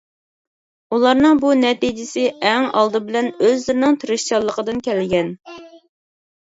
ئۇلارنىڭ بۇ نەتىجىسى ئەڭ ئالدى بىلەن ئۆزلىرىنىڭ تىرىشچانلىقىدىن كەلگەن.